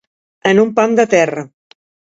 En un pam de terra.